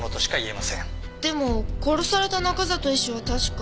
でも殺された中里医師は確か。